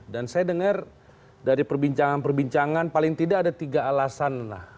dan saya dengar dari perbincangan perbincangan paling tidak ada tiga alasan lah